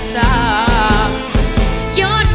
หยุดทำร้ายหัวใจน้องสา